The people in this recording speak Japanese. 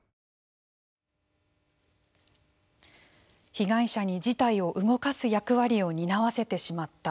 被害者に事態を動かす役割を担わせてしまった。